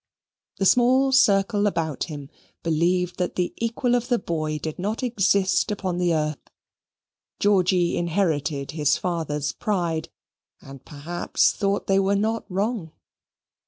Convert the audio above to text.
The small circle round about him believed that the equal of the boy did not exist upon the earth. Georgy inherited his father's pride, and perhaps thought they were not wrong.